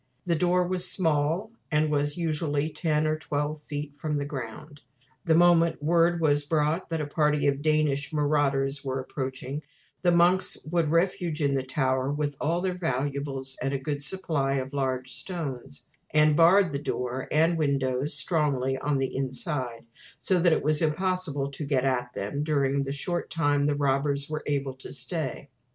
The door was small, and was usually ten or twelve feet from the ground. The moment word was brought that a party of Danish marauders were approaching, the monks took refuge in the tower with all their valuables and a good supply of large stones, and barred the door and windows strongly on the inside, so that it was impossible to get at them during the short time the robbers were able to stay.